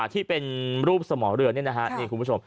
ที่เป็นรูปสมอเรือนี่นะฮะนี่คุณผู้ชม